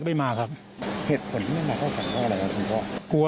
ผมคิดอย่างนั้นครับ